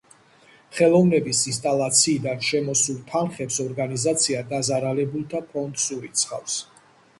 ხელოვნების ინსტალაციიდან შემოსულ თანხებს ორგანიზაცია დაზარალებულთა ფონდს ურიცხავს.